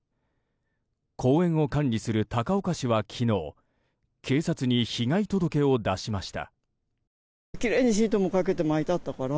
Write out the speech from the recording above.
公園を管理する高岡市は昨日警察に被害届を出しました。